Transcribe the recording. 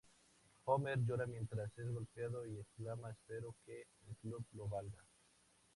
Homer llora mientras es golpeado, y exclama: "¡Espero que el club lo valga!".